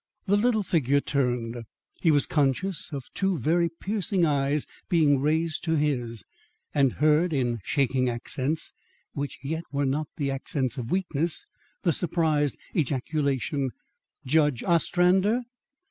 The little figure turned; he was conscious of two very piercing eyes being raised to his, and heard in shaking accents, which yet were not the accents of weakness, the surprised ejaculation: "Judge Ostrander!"